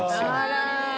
あら！